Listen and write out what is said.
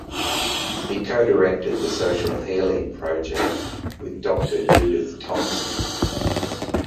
He co-directed the Social Healing Project with Doctor Judith Thompson.